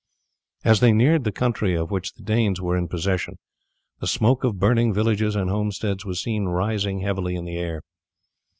As they neared the country of which the Danes were in possession the smoke of burning villages and homesteads was seen rising heavily in the air.